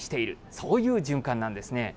そういう循環なんですね。